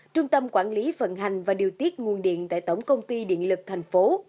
trung tâm quản lý vận hành và điều tiết nguồn điện tại tổng công ty điện lực thành phố